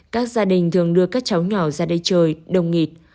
các gia đình thường đưa các cháu nhỏ ra đây trời đồng nghịt